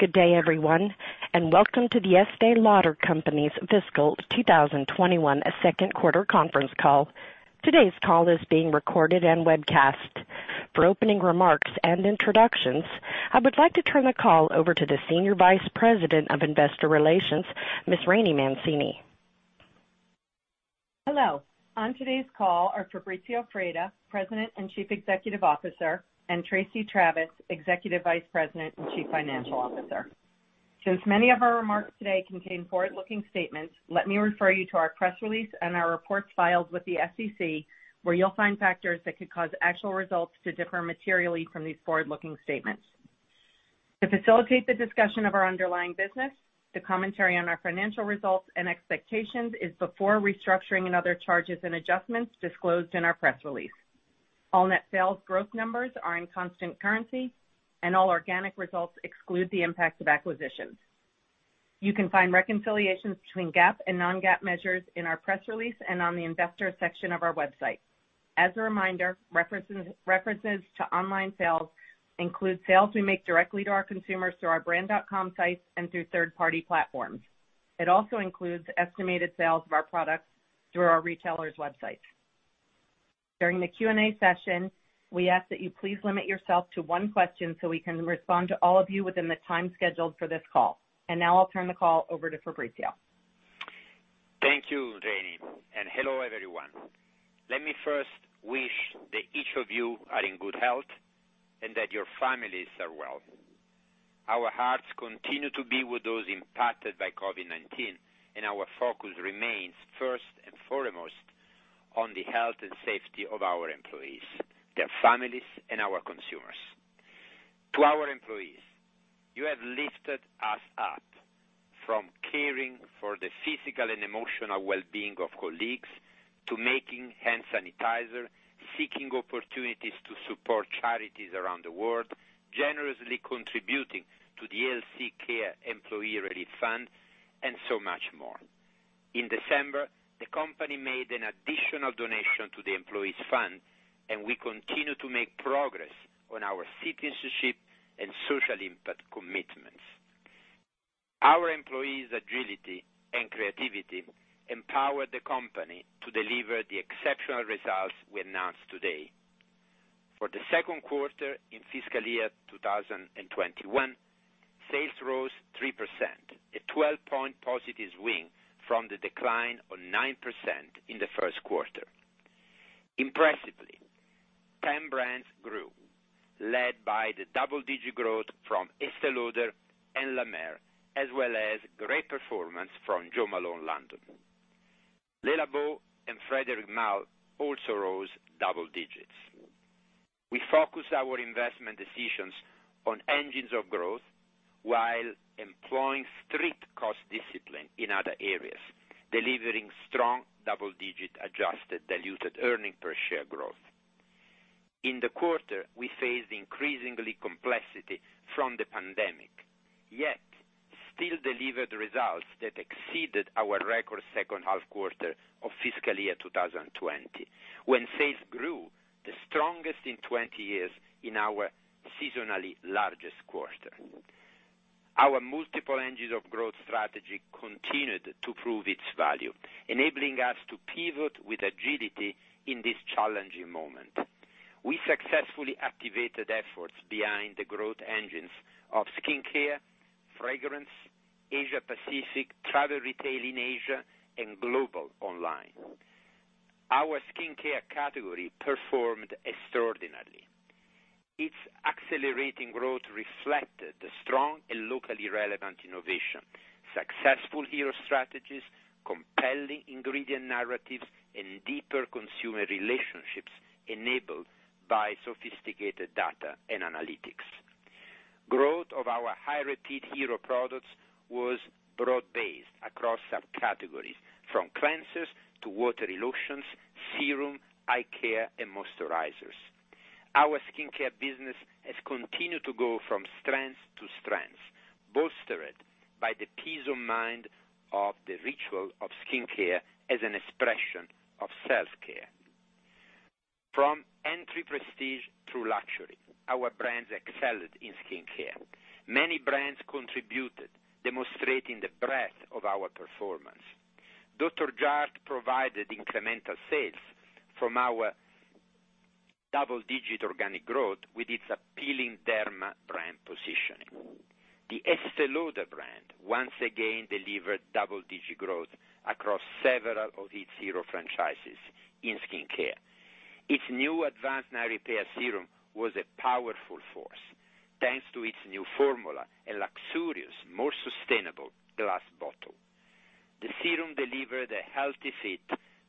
Good day, everyone, and welcome to The Estée Lauder Companies Fiscal 2021 Second Quarter Conference Call. Today's call is being recorded and webcast. For opening remarks and introductions, I would like to turn the call over to the Senior Vice President of Investor Relations, Ms. Rainey Mancini. Hello. On today's call are Fabrizio Freda, President and Chief Executive Officer, and Tracey Travis, Executive Vice President and Chief Financial Officer. Since many of our remarks today contain forward-looking statements, let me refer you to our press release and our reports filed with the SEC, where you'll find factors that could cause actual results to differ materially from these forward-looking statements. To facilitate the discussion of our underlying business, the commentary on our financial results and expectations is before restructuring and other charges and adjustments disclosed in our press release. All net sales growth numbers are in constant currency, and all organic results exclude the impact of acquisitions. You can find reconciliations between GAAP and non-GAAP measures in our press release and on the investor section of our website. As a reminder, references to online sales include sales we make directly to our consumers through our brand.com sites and through third-party platforms. It also includes estimated sales of our products through our retailers' websites. During the Q&A session, we ask that you please limit yourself to one question so we can respond to all of you within the time scheduled for this call. Now I'll turn the call over to Fabrizio. Thank you, Rainey, and hello, everyone. Let me first wish that each of you are in good health and that your families are well. Our hearts continue to be with those impacted by COVID-19, and our focus remains first and foremost on the health and safety of our employees, their families, and our consumers. To our employees, you have lifted us up from caring for the physical and emotional wellbeing of colleagues to making hand sanitizer, seeking opportunities to support charities around the world, generously contributing to the ELC Cares Employee Relief Fund, and so much more. In December, the company made an additional donation to the employees fund, and we continue to make progress on our citizenship and social impact commitments. Our employees' agility and creativity empowered the company to deliver the exceptional results we announced today. For the second quarter in fiscal year 2021, sales rose 3%, a 12-point positive swing from the decline of 9% in the first quarter. Impressively, 10 brands grew, led by the double-digit growth from Estée Lauder and La Mer, as well as great performance from Jo Malone London. Le Labo and Frédéric Malle also rose double digits. We focus our investment decisions on engines of growth while employing strict cost discipline in other areas, delivering strong double-digit adjusted diluted earning per share growth. In the quarter, we faced increasing complexity from the pandemic, yet still delivered results that exceeded our record second-half quarter of fiscal year 2020, when sales grew the strongest in 20 years in our seasonally largest quarter. Our multiple engines of growth strategy continued to prove its value, enabling us to pivot with agility in this challenging moment. We successfully activated efforts behind the growth engines of skincare, fragrance, Asia Pacific, travel retail in Asia, and global online. Our skincare category performed extraordinarily. Its accelerating growth reflected strong and locally relevant innovation, successful hero strategies, compelling ingredient narratives, and deeper consumer relationships enabled by sophisticated data and analytics. Growth of our high-repeat hero products was broad-based across subcategories from cleansers to watery lotions, serum, eye care, and moisturizers. Our skincare business has continued to go from strength to strength, bolstered by the peace of mind of the ritual of skincare as an expression of self-care. From entry prestige to luxury, our brands excelled in skincare. Many brands contributed, demonstrating the breadth of our performance. Dr.Jart+ provided incremental sales from our double-digit organic growth with its appealing derma brand positioning. The Estée Lauder brand once again delivered double-digit growth across several of its hero franchises in skincare. Its new Advanced Night Repair serum was a powerful force, thanks to its new formula and luxurious, more sustainable glass bottle. The serum delivered a healthy fit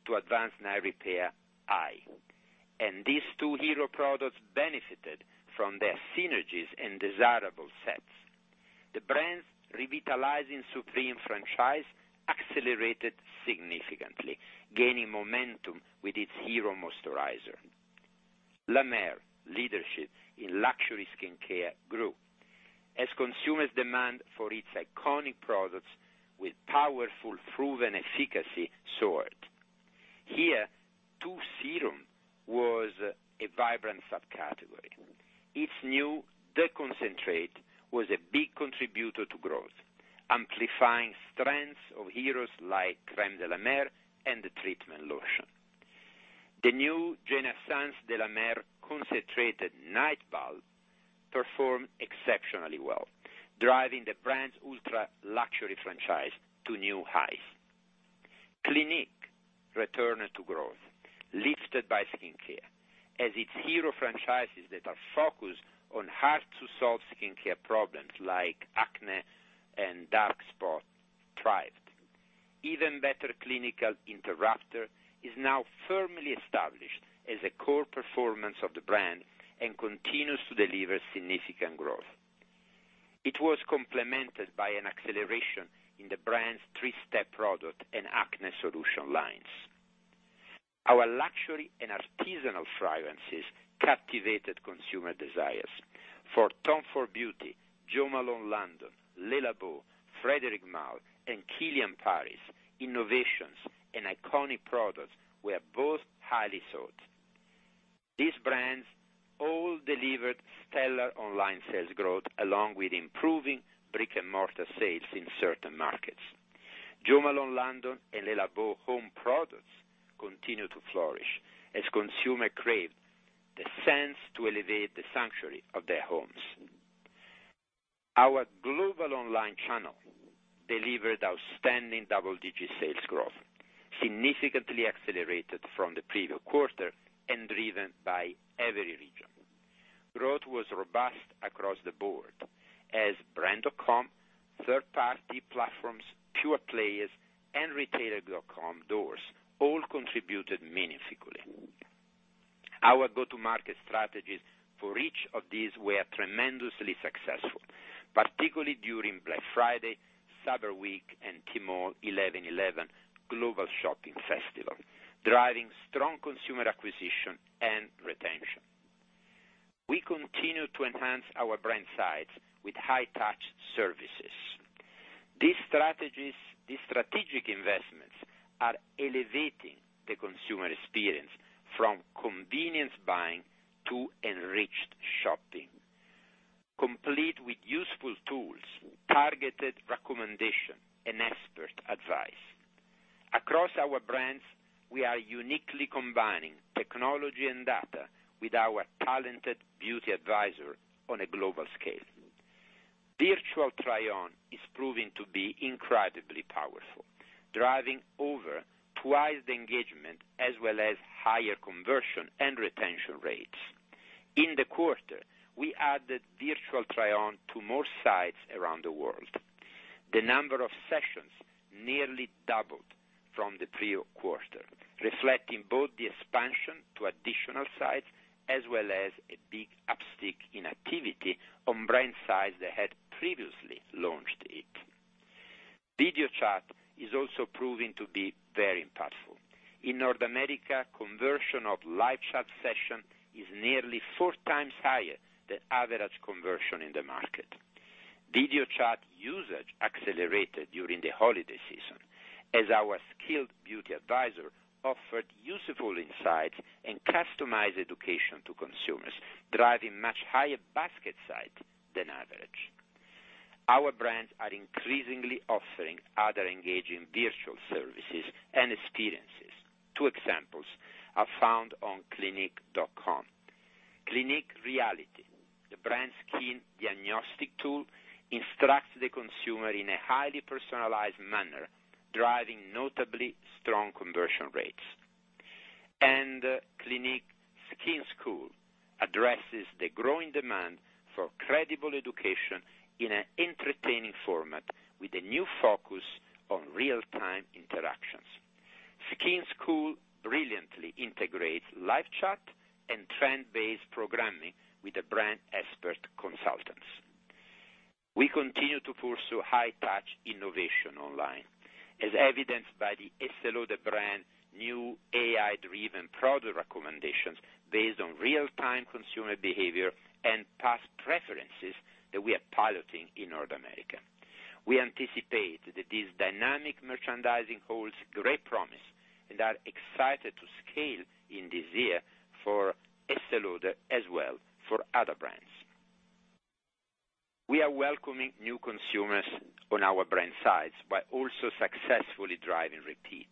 to Advanced Night Repair Eye. These two hero products benefited from their synergies and desirable sets. The brand's Revitalizing Supreme franchise accelerated significantly, gaining momentum with its hero moisturizer. La Mer leadership in luxury skincare grew as consumers demand for its iconic products with powerful proven efficacy soared. Here, Two Serum was a vibrant subcategory. Its new The Concentrate was a big contributor to growth, amplifying strengths of heroes like Crème de la Mer and The Treatment Lotion. The new Genaissance de la Mer Concentrated Night Balm performed exceptionally well, driving the brand's ultra-luxury franchise to new highs. Clinique returned to growth, lifted by skincare, as its hero franchises that are focused on hard-to-solve skincare problems like acne and dark spots thrived. Even Better Clinical Interrupter is now firmly established as a core performance of the brand and continues to deliver significant growth. It was complemented by an acceleration in the brand's three-step product and acne solution lines. Our luxury and artisanal fragrances captivated consumer desires. For Tom Ford Beauty, Jo Malone London, Le Labo, Frédéric Malle, and KILIAN PARIS, innovations and iconic products were both highly sought. These brands all delivered stellar online sales growth along with improving brick-and-mortar sales in certain markets. Jo Malone London and Le Labo Home products continue to flourish as consumer crave the scents to elevate the sanctuary of their homes. Our global online channel delivered outstanding double-digit sales growth, significantly accelerated from the previous quarter and driven by every region. Growth was robust across the board as brand.com, third-party platforms, pure players, and retailer.com doors all contributed meaningfully. Our go-to-market strategies for each of these were tremendously successful, particularly during Black Friday, Cyber Week, and Tmall 11.11 global shopping festival, driving strong consumer acquisition and retention. We continue to enhance our brand sites with high-touch services. These strategic investments are elevating the consumer experience from convenience buying to enriched shopping, complete with useful tools, targeted recommendation, and expert advice. Across our brands, we are uniquely combining technology and data with our talented beauty advisor on a global scale. Virtual try-on is proving to be incredibly powerful, driving over [twice] the engagement as well as higher conversion and retention rates. In the quarter, we added virtual try-on to more sites around the world. The number of sessions nearly doubled from the prior quarter, reflecting both the expansion to additional sites as well as a big uptick in activity on brand sites that had previously launched it. Video chat is also proving to be very impactful. In North America, conversion of live chat session is nearly four times higher than average conversion in the market. Video chat usage accelerated during the holiday season as our skilled beauty advisor offered useful insights and customized education to consumers, driving much higher basket size than average. Our brands are increasingly offering other engaging virtual services and experiences. Two examples are found on clinique.com. Clinique Reality, the brand skin diagnostic tool, instructs the consumer in a highly personalized manner, driving notably strong conversion rates. Clinique Skin School addresses the growing demand for credible education in an entertaining format with a new focus on real-time interactions. Skin School brilliantly integrates live chat and trend-based programming with the brand expert consultants. We continue to pursue high-touch innovation online, as evidenced by the Estée Lauder brand new AI-driven product recommendations based on real-time consumer behavior and past preferences that we are piloting in North America. We anticipate that this dynamic merchandising holds great promise and are excited to scale in this year for Estée Lauder as well for other brands. We are welcoming new consumers on our brand sites by also successfully driving repeat,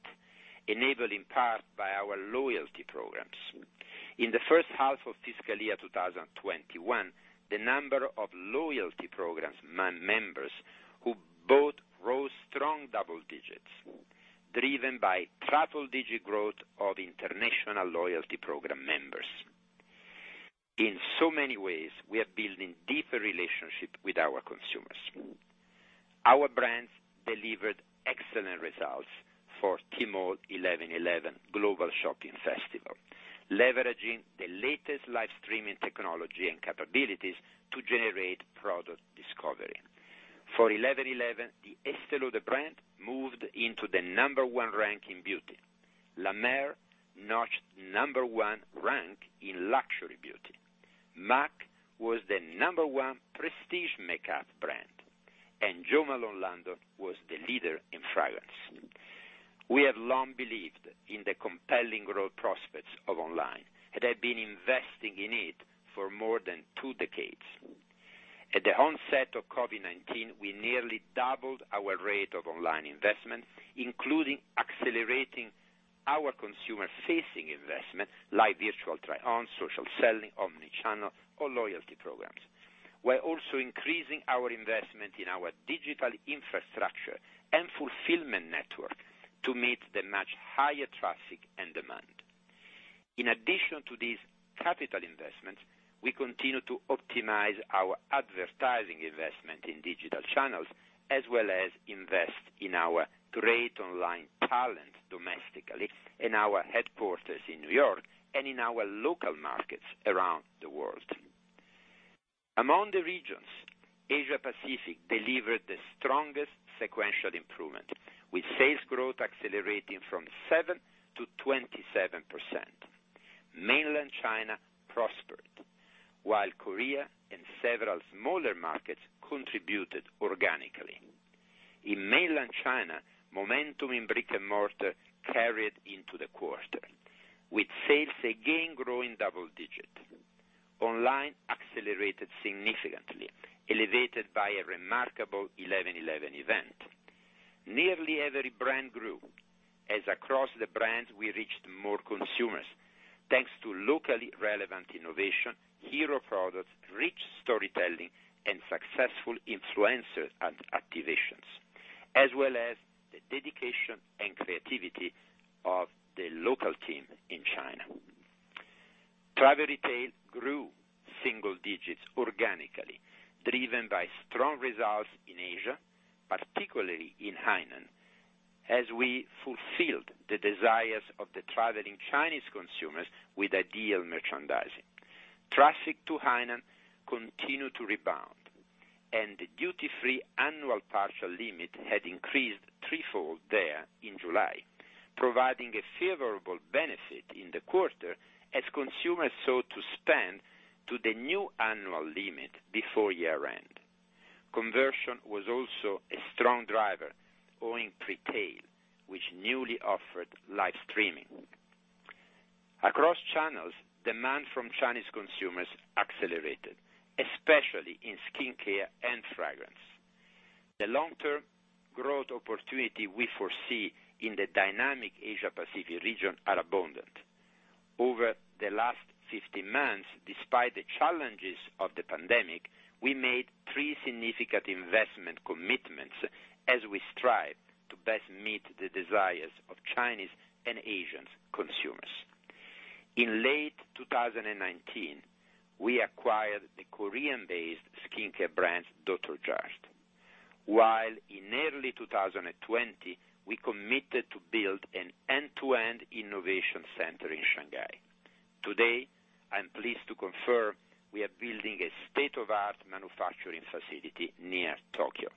enabled in part by our loyalty programs. In the first half of fiscal year 2021, the number of loyalty programs members who both rose strong double digits, driven by triple-digit growth of international loyalty program members. In so many ways, we are building deeper relationship with our consumers. Our brands delivered excellent results for Tmall 11.11 global shopping festival, leveraging the latest live streaming technology and capabilities to generate product discovery. For 11.11, the Estée Lauder brand moved into the number one rank in beauty. La Mer notched number one rank in luxury beauty. MAC was the number one prestige makeup brand, Jo Malone London was the leader in fragrance. We have long believed in the compelling growth prospects of online and have been investing in it for more than two decades. At the onset of COVID-19, we nearly doubled our rate of online investment, including accelerating our consumer-facing investment like virtual try-ons, social selling, omni-channel, or loyalty programs. We're also increasing our investment in our digital infrastructure and fulfillment network to meet the much higher traffic and demand. In addition to these capital investments, we continue to optimize our advertising investment in digital channels, as well as invest in our great online talent domestically, in our headquarters in New York, and in our local markets around the world. Among the regions, Asia Pacific delivered the strongest sequential improvement, with sales growth accelerating from 7%-27%. Mainland China prospered, while Korea and several smaller markets contributed organically. In mainland China, momentum in brick-and-mortar carried into the quarter, with sales again growing double digits. Online accelerated significantly, elevated by a remarkable 11.11 event. Nearly every brand grew, as across the brands, we reached more consumers thanks to locally relevant innovation, hero products, rich storytelling, and successful influencer activations, as well as the dedication and creativity of the local team in China. Travel retail grew single digits organically, driven by strong results in Asia, particularly in Hainan, as we fulfilled the desires of the traveling Chinese consumers with ideal merchandising. Traffic to Hainan continued to rebound, and the duty-free annual partial limit had increased threefold there in July, providing a favorable benefit in the quarter as consumers sought to spend to the new annual limit before year-end. Conversion was also a strong driver owing pre-tail, which newly offered live streaming. Across channels, demand from Chinese consumers accelerated, especially in skincare and fragrance. The long-term growth opportunity we foresee in the dynamic Asia Pacific region are abundant. Over the last 15 months, despite the challenges of the pandemic, we made three significant investment commitments as we strive to best meet the desires of Chinese and Asian consumers. In late 2019, we acquired the Korean-based skincare brand, Dr.Jart+, while in early 2020, we committed to build an end-to-end innovation center in Shanghai. Today, I'm pleased to confirm we are building a state-of-art manufacturing facility near Tokyo.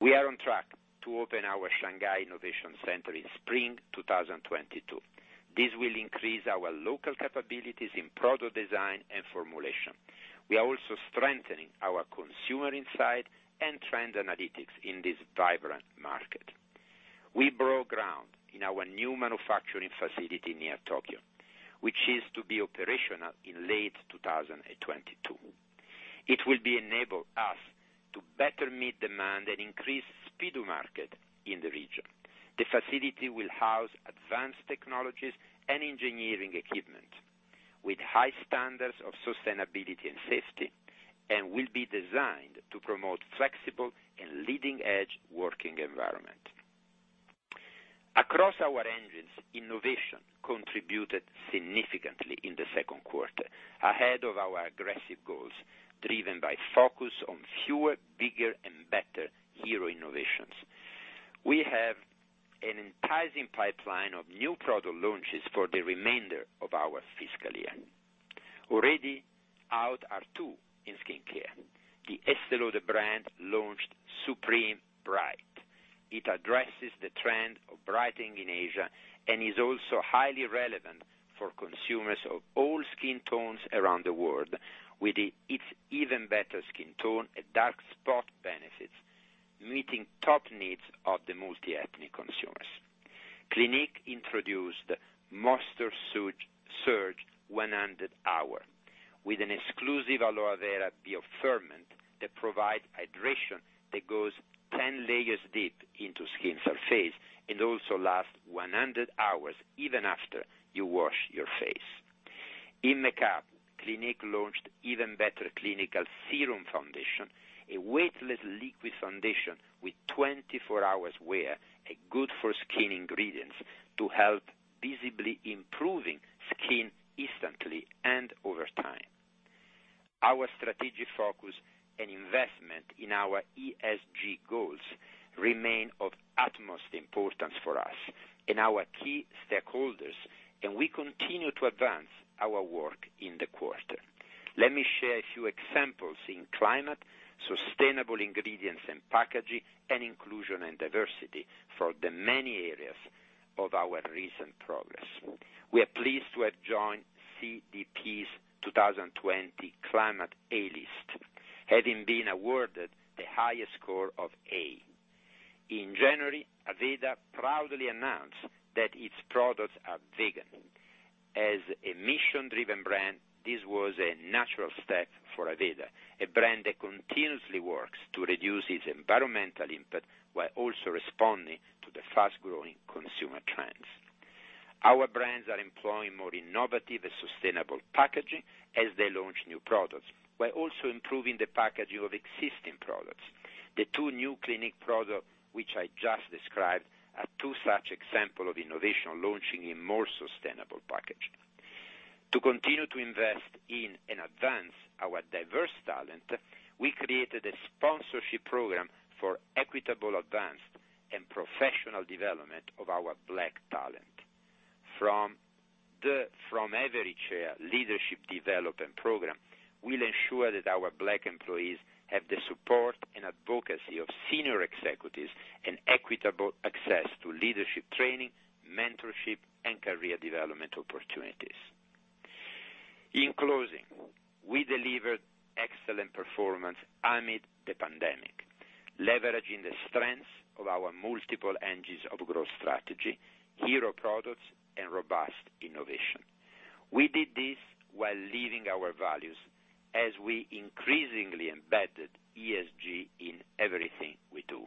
We are on track to open our Shanghai Innovation Center in spring 2022. This will increase our local capabilities in product design and formulation. We are also strengthening our consumer insight and trend analytics in this vibrant market. We broke ground in our new manufacturing facility near Tokyo, which is to be operational in late 2022. It will enable us to better meet demand and increase speed to market in the region. The facility will house advanced technologies and engineering equipment with high standards of sustainability and safety and will be designed to promote flexible and leading-edge working environment. Across our engines, innovation contributed significantly in the second quarter, ahead of our aggressive goals, driven by focus on fewer, bigger, and better hero innovations. We have an enticing pipeline of new product launches for the remainder of our fiscal year. Already out are two in skincare. The Estée Lauder brand launched Supreme Bright. It addresses the trend of brightening in Asia and is also highly relevant for consumers of all skin tones around the world with its even better skin tone and dark spot benefits, meeting top needs of the multi-ethnic consumers. Clinique introduced Moisture Surge 100H with an exclusive aloe vera bioferment that provides hydration that goes 10 layers deep into skin surface and also lasts 100 hours even after you wash your face. In makeup, Clinique launched Even Better Clinical Serum Foundation, a weightless liquid foundation with 24 hours wear and good-for-skin ingredients to help visibly improving skin instantly and over time. Our strategic focus and investment in our ESG goals remain of utmost importance for us and our key stakeholders, and we continue to advance our work in the quarter. Let me share a few examples in climate, sustainable ingredients and packaging, and inclusion and diversity for the many areas of our recent progress. We are pleased to have joined CDP's 2020 Climate A List, having been awarded the highest score of A. In January, Aveda proudly announced that its products are vegan. As a mission-driven brand, this was a natural step for Aveda, a brand that continuously works to reduce its environmental impact while also responding to the fast-growing consumer trends. Our brands are employing more innovative and sustainable packaging as they launch new products, while also improving the packaging of existing products. The two new Clinique products, which I just described, are two such examples of innovation launching in more sustainable packaging. To continue to invest in and advance our diverse talent, we created a sponsorship program for equitable advancement and professional development of our Black talent. From Every Chair leadership development program, we'll ensure that our Black employees have the support and advocacy of senior executives and equitable access to leadership training, mentorship, and career development opportunities. In closing, we delivered excellent performance amid the pandemic, leveraging the strengths of our multiple engines of growth strategy, hero products, and robust innovation. We did this while living our values as we increasingly embedded ESG in everything we do,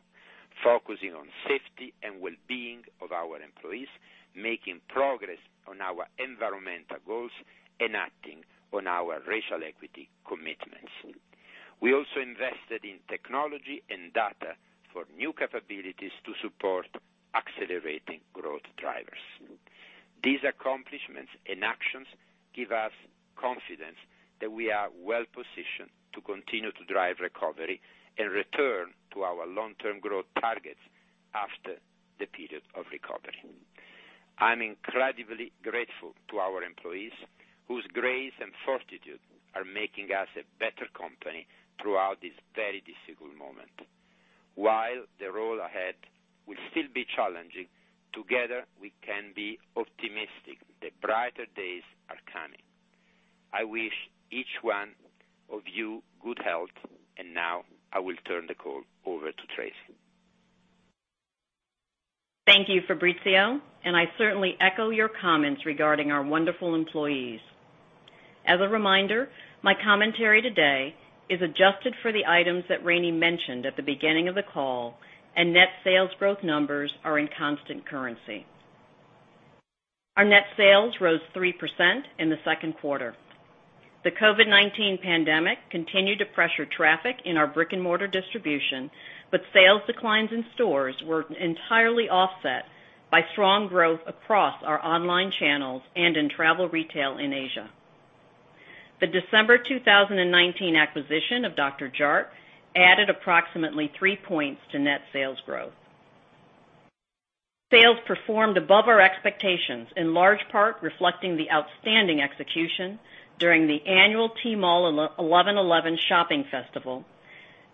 focusing on safety and wellbeing of our employees, making progress on our environmental goals, and acting on our racial equity commitments. We also invested in technology and data for new capabilities to support accelerating growth drivers. These accomplishments and actions give us confidence that we are well-positioned to continue to drive recovery and return to our long-term growth targets after the period of recovery. I'm incredibly grateful to our employees, whose grace and fortitude are making us a better company throughout this very difficult moment. While the road ahead will still be challenging, together, we can be optimistic that brighter days are coming. I wish each one of you good health, now I will turn the call over to Tracey. Thank you, Fabrizio, and I certainly echo your comments regarding our wonderful employees. As a reminder, my commentary today is adjusted for the items that Rainey mentioned at the beginning of the call, and net sales growth numbers are in constant currency. Our net sales rose 3% in the second quarter. The COVID-19 pandemic continued to pressure traffic in our brick-and-mortar distribution, but sales declines in stores were entirely offset by strong growth across our online channels and in travel retail in Asia. The December 2019 acquisition of Dr.Jart+ added approximately three points to net sales growth. Sales performed above our expectations, in large part reflecting the outstanding execution during the annual Tmall 11.11 Shopping Festival,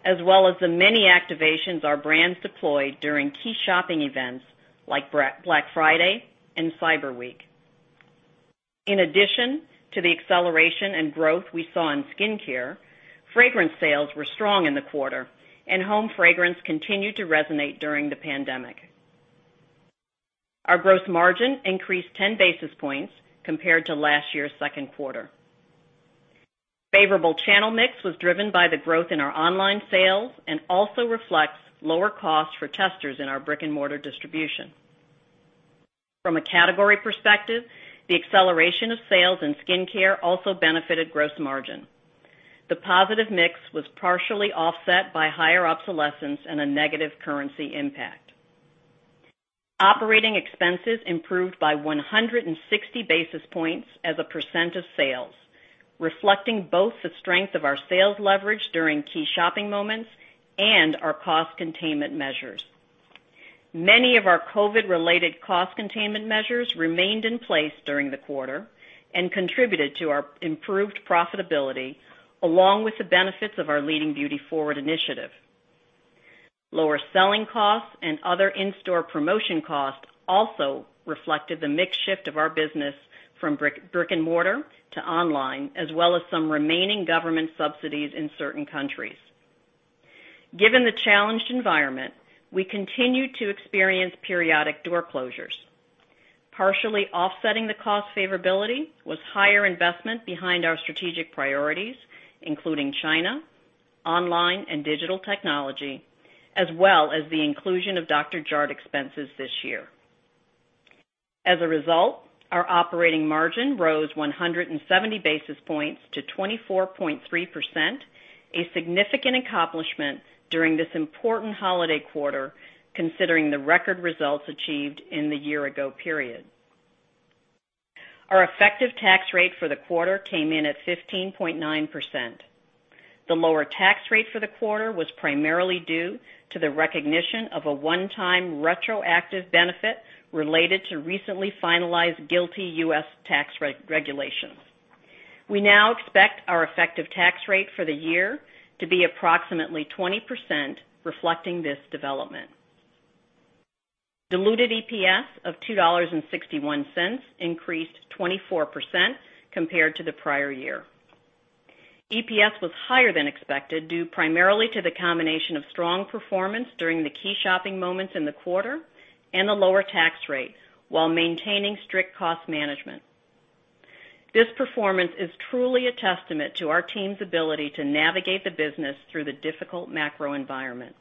as well as the many activations our brands deployed during key shopping events like Black Friday and Cyber Week. In addition to the acceleration and growth we saw in skincare, fragrance sales were strong in the quarter, and home fragrance continued to resonate during the pandemic. Our gross margin increased 10 basis points compared to last year's second quarter. Favorable channel mix was driven by the growth in our online sales and also reflects lower costs for testers in our brick-and-mortar distribution. From a category perspective, the acceleration of sales and skincare also benefited gross margin. The positive mix was partially offset by higher obsolescence and a negative currency impact. Operating expenses improved by 160 basis points as a percent of sales, reflecting both the strength of our sales leverage during key shopping moments and our cost containment measures. Many of our COVID-related cost containment measures remained in place during the quarter and contributed to our improved profitability, along with the benefits of our Leading Beauty Forward initiative. Lower selling costs and other in-store promotion costs also reflected the mix shift of our business from brick and mortar to online, as well as some remaining government subsidies in certain countries. Given the challenged environment, we continued to experience periodic door closures. Partially offsetting the cost favorability was higher investment behind our strategic priorities, including China, online, and digital technology, as well as the inclusion of Dr.Jart+ expenses this year. As a result, our operating margin rose 170 basis points to 24.3%, a significant accomplishment during this important holiday quarter, considering the record results achieved in the year-ago period. Our effective tax rate for the quarter came in at 15.9%. The lower tax rate for the quarter was primarily due to the recognition of a one-time retroactive benefit related to recently finalized GILTI U.S. tax regulations. We now expect our effective tax rate for the year to be approximately 20%, reflecting this development. Diluted EPS of $2.61 increased 24% compared to the prior year. EPS was higher than expected, due primarily to the combination of strong performance during the key shopping moments in the quarter and a lower tax rate while maintaining strict cost management. This performance is truly a testament to our team's ability to navigate the business through the difficult macro environment.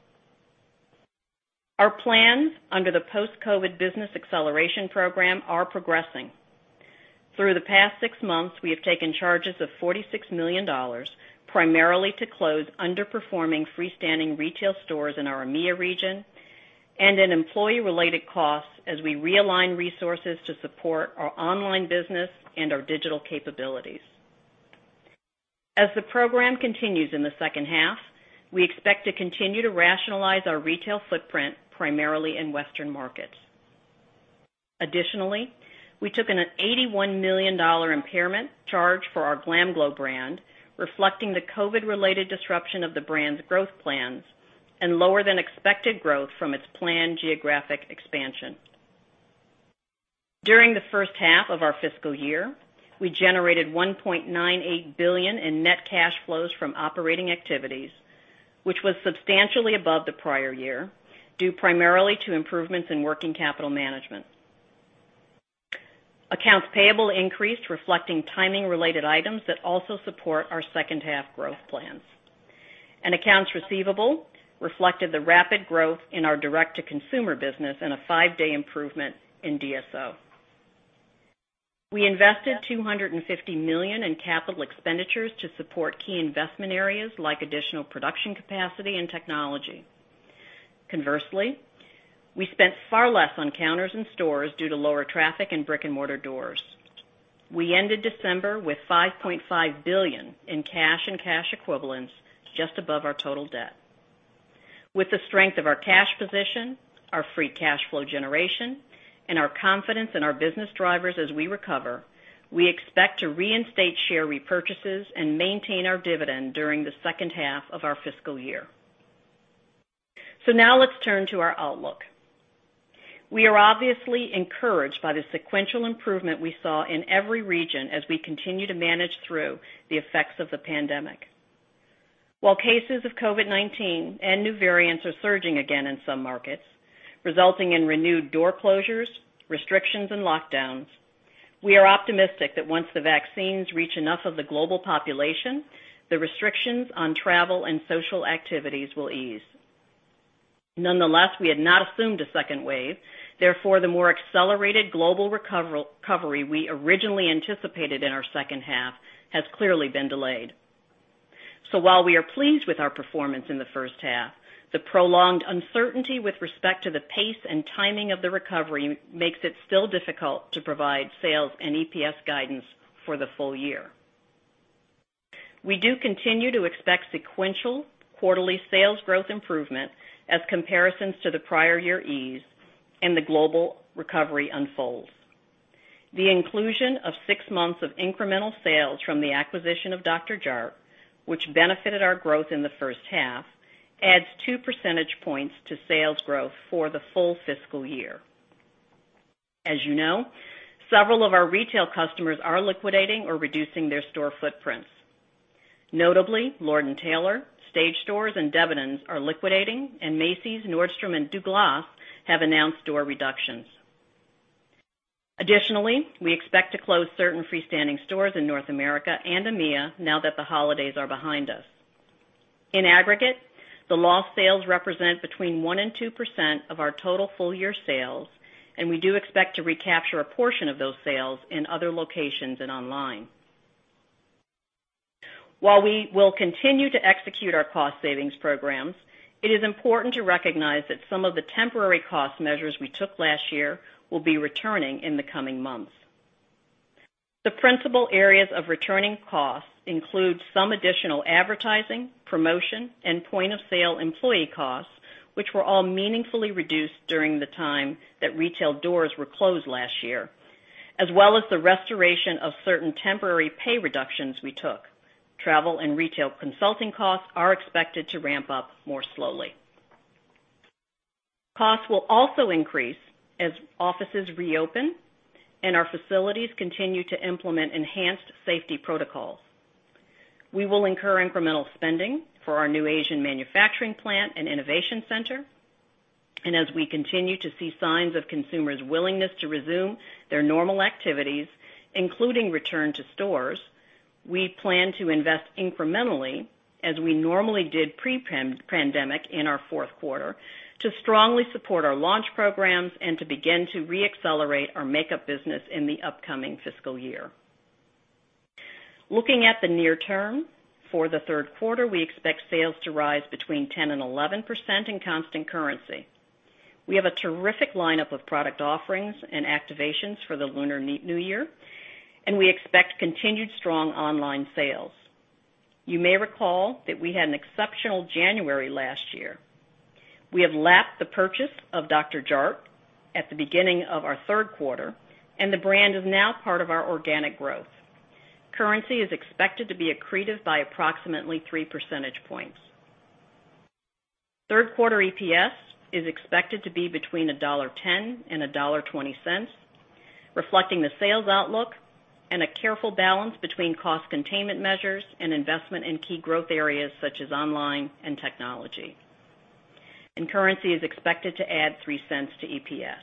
Our plans under the Post-COVID Business Acceleration Program are progressing. Through the past six months, we have taken charges of $46 million, primarily to close underperforming freestanding retail stores in our EMEA region and in employee related costs as we realign resources to support our online business and our digital capabilities. As the program continues in the second half, we expect to continue to rationalize our retail footprint primarily in Western markets. Additionally, we took an $81 million impairment charge for our GLAMGLOW brand, reflecting the COVID-related disruption of the brand's growth plans and lower than expected growth from its planned geographic expansion. During the first half of our fiscal year, we generated $1.98 billion in net cash flows from operating activities, which was substantially above the prior year, due primarily to improvements in working capital management. Accounts payable increased, reflecting timing related items that also support our second half growth plans. Accounts receivable reflected the rapid growth in our direct-to-consumer business and a five-day improvement in DSO. We invested $250 million in capital expenditures to support key investment areas like additional production capacity and technology. Conversely, we spent far less on counters and stores due to lower traffic in brick and mortar doors. We ended December with $5.5 billion in cash and cash equivalents, just above our total debt. With the strength of our cash position, our free cash flow generation, and our confidence in our business drivers as we recover, we expect to reinstate share repurchases and maintain our dividend during the second half of our fiscal year. Now let's turn to our outlook. We are obviously encouraged by the sequential improvement we saw in every region as we continue to manage through the effects of the pandemic. While cases of COVID-19 and new variants are surging again in some markets, resulting in renewed door closures, restrictions, and lockdowns, we are optimistic that once the vaccines reach enough of the global population, the restrictions on travel and social activities will ease. We had not assumed a second wave. The more accelerated global recovery we originally anticipated in our second half has clearly been delayed. While we are pleased with our performance in the first half, the prolonged uncertainty with respect to the pace and timing of the recovery makes it still difficult to provide sales and EPS guidance for the full year. We do continue to expect sequential quarterly sales growth improvement as comparisons to the prior year ease and the global recovery unfolds. The inclusion of six months of incremental sales from the acquisition of Dr.Jart+, which benefited our growth in the first half, adds 2 percentage points to sales growth for the full fiscal year. As you know, several of our retail customers are liquidating or reducing their store footprints. Notably, Lord & Taylor, Stage Stores, and Debenhams are liquidating, and Macy's, Nordstrom, and Douglas have announced door reductions. Additionally, we expect to close certain freestanding stores in North America and EMEA now that the holidays are behind us. In aggregate, the lost sales represent between 1% and 2% of our total full year sales, and we do expect to recapture a portion of those sales in other locations and online. While we will continue to execute our cost savings programs, it is important to recognize that some of the temporary cost measures we took last year will be returning in the coming months. The principal areas of returning costs include some additional advertising, promotion, and point of sale employee costs, which were all meaningfully reduced during the time that retail doors were closed last year, as well as the restoration of certain temporary pay reductions we took. Travel and retail consulting costs are expected to ramp up more slowly. Costs will also increase as offices reopen and our facilities continue to implement enhanced safety protocols. As we continue to see signs of consumers' willingness to resume their normal activities, including return to stores, we plan to invest incrementally, as we normally did pre-pandemic in our fourth quarter, to strongly support our launch programs and to begin to re-accelerate our makeup business in the upcoming fiscal year. Looking at the near term, for the third quarter, we expect sales to rise between 10% and 11% in constant currency. We have a terrific lineup of product offerings and activations for the Lunar New Year, and we expect continued strong online sales. You may recall that we had an exceptional January last year. We have lapped the purchase of Dr.Jart+ at the beginning of our third quarter, and the brand is now part of our organic growth. Currency is expected to be accretive by approximately three percentage points. Third quarter EPS is expected to be between $1.10 and $1.20, reflecting the sales outlook and a careful balance between cost containment measures and investment in key growth areas such as online and technology. Currency is expected to add $0.03 to EPS.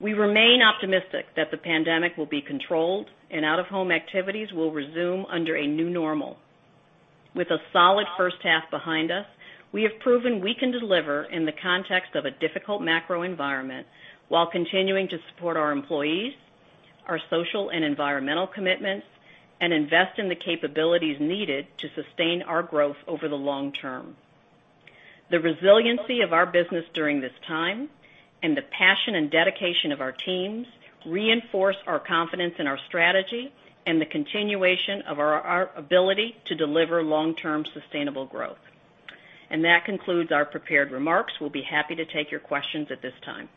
We remain optimistic that the pandemic will be controlled and out-of-home activities will resume under a new normal. With a solid first half behind us, we have proven we can deliver in the context of a difficult macro environment while continuing to support our employees, our social and environmental commitments, and invest in the capabilities needed to sustain our growth over the long term. The resiliency of our business during this time, and the passion and dedication of our teams reinforce our confidence in our strategy and the continuation of our ability to deliver long-term sustainable growth. That concludes our prepared remarks. We'll be happy to take your questions at this time.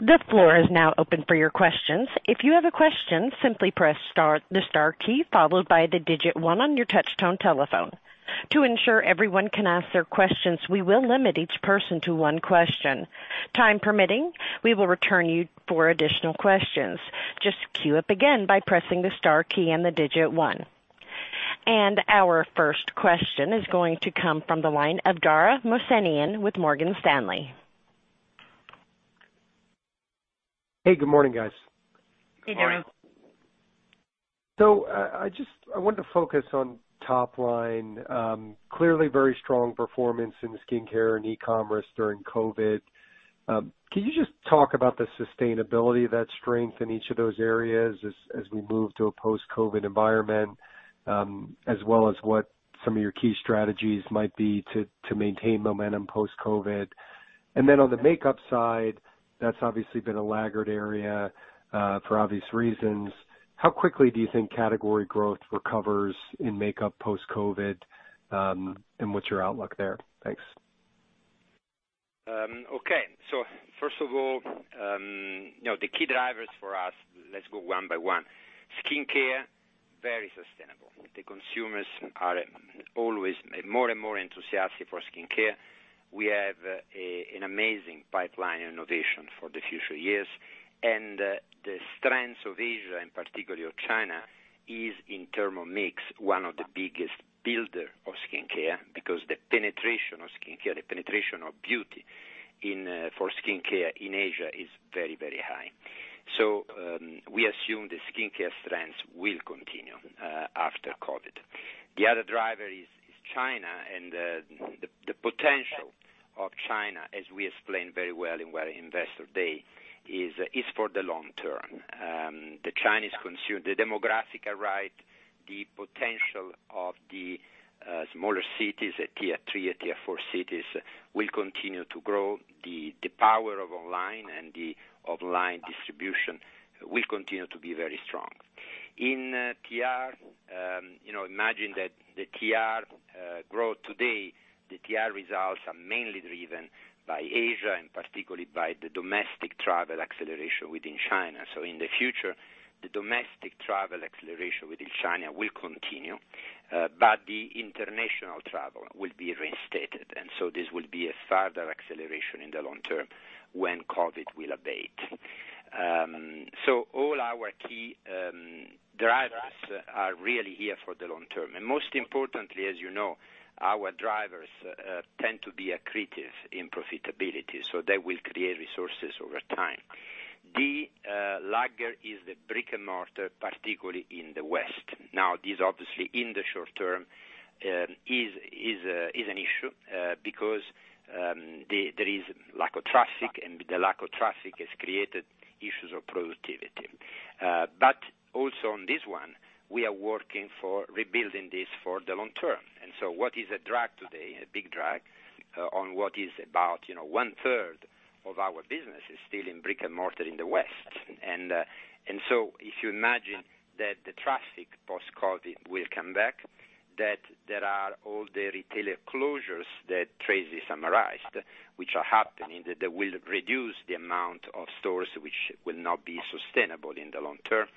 The floor is now open for your questions. If you have a question, simply press the star key, followed by the digit one on your touchtone telephone. To ensure everyone can ask their questions, we will limit each person to one question. Time permitting, we will return to you for additional questions. Just queue up again by pressing the star key and the digit one. Our first question is going to come from the line of Dara Mohsenian with Morgan Stanley. Hey, good morning, guys. Hey, Dara. I want to focus on top line. Clearly very strong performance in skincare and e-commerce during COVID. Can you just talk about the sustainability of that strength in each of those areas as we move to a post-COVID environment, as well as what some of your key strategies might be to maintain momentum post-COVID? Then on the makeup side, that's obviously been a laggard area, for obvious reasons. How quickly do you think category growth recovers in makeup post-COVID? What's your outlook there? Thanks. First of all, the key drivers for us, let's go one by one. Skincare, very sustainable. The consumers are always more and more enthusiastic for skincare. We have an amazing pipeline innovation for the future years. The strengths of Asia, and particularly of China, is in terms of mix, one of the biggest builders of skincare because the penetration of skincare, the penetration of beauty for skincare in Asia is very, very high. We assume the skincare strengths will continue after COVID-19. The other driver is China, and the potential of China, as we explained very well in our Investor Day, is for the long term. The Chinese consumer, the demographics are right. The potential of the smaller cities at Tier III or Tier IV cities will continue to grow. The power of online and the offline distribution will continue to be very strong. In TR, imagine that the TR growth today, the TR results are mainly driven by Asia and particularly by the domestic travel acceleration within China. In the future, the domestic travel acceleration within China will continue, but the international travel will be reinstated. This will be a further acceleration in the long term when COVID will abate. All our key drivers are really here for the long term. Most importantly, as you know, our drivers tend to be accretive in profitability, so they will create resources over time. The laggard is the brick-and-mortar, particularly in the West. Now, this obviously in the short term, is an issue, because there is lack of traffic, and the lack of traffic has created issues of productivity. Also on this one, we are working for rebuilding this for the long term. What is a drag today, a big drag, on what is about one-third of our business is still in brick-and-mortar in the West. If you imagine that the traffic post-COVID will come back, that there are all the retailer closures that Tracey summarized, which are happening, that will reduce the amount of stores which will not be sustainable in the long term.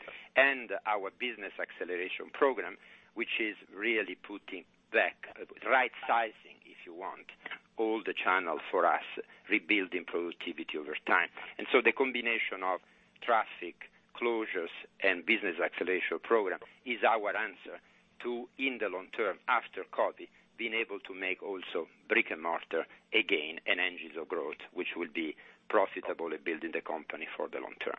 Our Business Acceleration Program, which is really putting back, right-sizing, if you want, all the channels for us, rebuilding productivity over time. The combination of traffic closures and Business Acceleration Program is our answer to, in the long term, after COVID, being able to make also brick-and-mortar again an engine of growth, which will be profitable at building the company for the long term.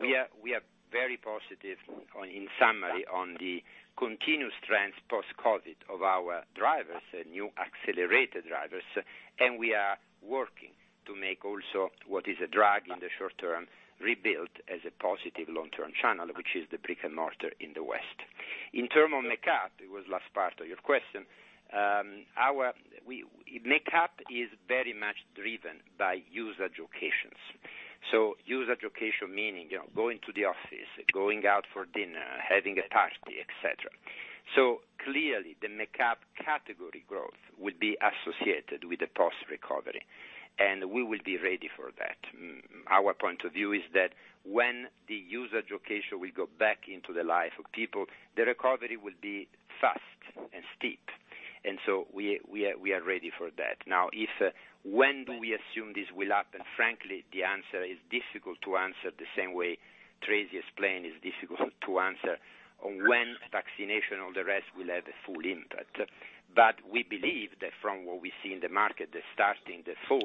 We are very positive in summary on the continuous trends post-COVID of our drivers, new accelerated drivers, and we are working to make also what is a drag in the short term, rebuilt as a positive long-term channel, which is the brick-and-mortar in the West. In terms of makeup, it was last part of your question, makeup is very much driven by user occasions. User occasion meaning, going to the office, going out for dinner, having a party, et cetera. Clearly, the makeup category growth will be associated with the post-recovery, and we will be ready for that. Our point of view is that when the user occasion will go back into the life of people, the recovery will be fast and steep, we are ready for that. Now, when do we assume this will happen? Frankly, the answer is difficult to answer, the same way Tracey explained it's difficult to answer on when vaccination, all the rest, will have the full impact. We believe that from what we see in the market, that starting the fall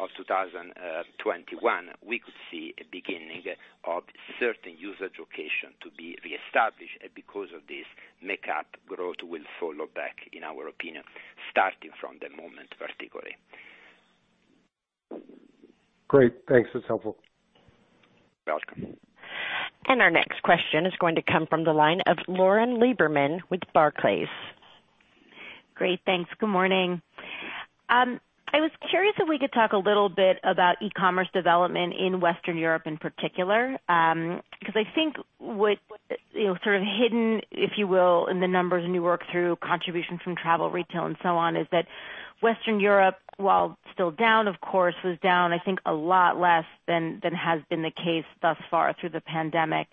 of 2021, we could see a beginning of certain user occasion to be reestablished, and because of this, makeup growth will follow back, in our opinion, starting from the moment vertically. Great. Thanks. That's helpful. Welcome. Our next question is going to come from the line of Lauren Lieberman with Barclays. Great. Thanks. Good morning. I was curious if we could talk a little bit about e-commerce development in Western Europe in particular, because I think what sort of hidden, if you will, in the numbers, and you work through contributions from travel, retail, and so on, is that Western Europe, while still down, of course, was down, I think, a lot less than has been the case thus far through the pandemic.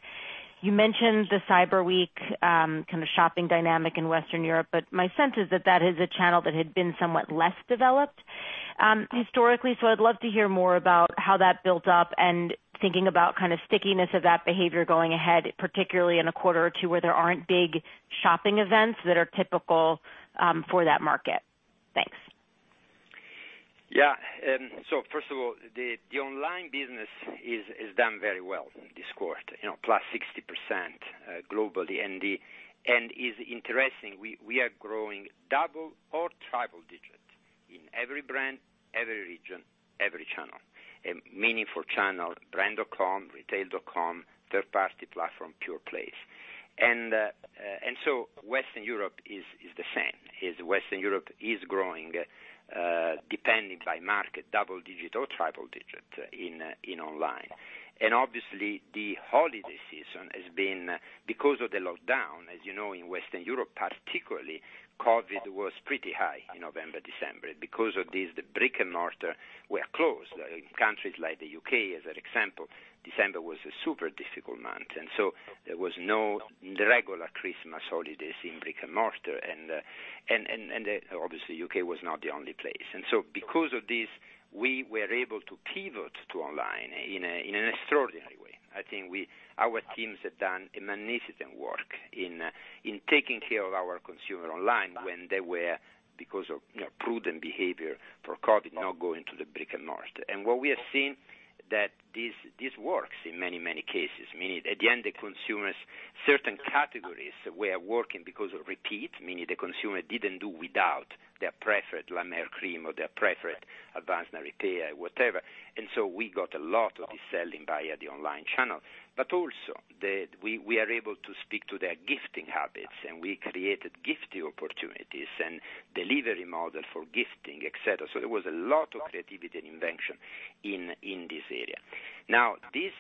You mentioned the Cyber Week kind of shopping dynamic in Western Europe, but my sense is that that is a channel that had been somewhat less developed historically. I'd love to hear more about how that built up and thinking about kind of stickiness of that behavior going ahead, particularly in a quarter or two where there aren't big shopping events that are typical for that market. Thanks. Yeah. First of all, the online business has done very well in this quarter, plus 60% globally, and is interesting. We are growing double or triple digits in every brand, every region, every channel. Meaningful channel, brand.com, retail.com, third-party platform, pure plays. Western Europe is the same, is Western Europe is growing, depending by market, double digit or triple digit in online. Obviously, the holiday season has been, because of the lockdown, as you know, in Western Europe particularly, COVID-19 was pretty high in November, December. Because of this, the brick-and-mortar were closed. In countries like the U.K., as an example, December was a super difficult month, and so there was no regular Christmas holidays in brick-and-mortar. Obviously, U.K. was not the only place. Because of this, we were able to pivot to online in an extraordinary way. I think our teams have done a magnificent work in taking care of our consumer online when they were, because of prudent behavior for COVID-19, not going to the brick-and-mortar. What we have seen that this works in many, many cases, meaning at the end, the consumers, certain categories were working because of repeat, meaning the consumer didn't do without their preferred La Mer cream or their preferred Advanced Night Repair, whatever. We got a lot of the selling via the online channel. Also, we are able to speak to their gifting habits, and we created gifting opportunities and delivery model for gifting, et cetera. There was a lot of creativity and invention in this area. Now, this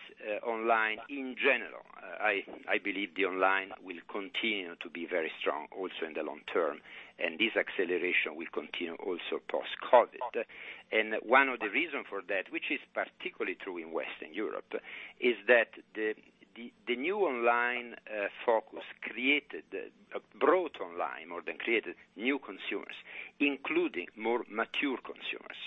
online, in general, I believe the online will continue to be very strong also in the long term, and this acceleration will continue also post-COVID. One of the reason for that, which is particularly true in Western Europe, is that the new online focus brought online more than created new consumers, including more mature consumers.